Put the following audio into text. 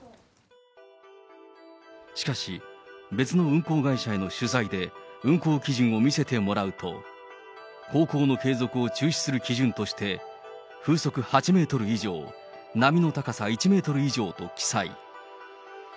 しかし、別の運航会社への取材で、運航基準を見せてもらうと、航行の継続を中止する基準として、風速８メートル以上、波の高さ１メートル以上と記載。